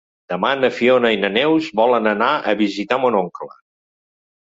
Demà na Fiona i na Neus volen anar a visitar mon oncle.